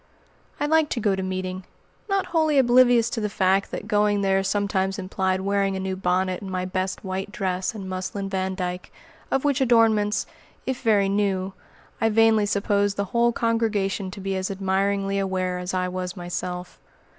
I liked to go to meeting, not wholly oblivious to the fact that going there sometimes implied wearing a new bonnet and my best white dress and muslin "vandyke," of which adornments, if very new, I vainly supposed the whole congregation to be as admiringly aware as I was myself.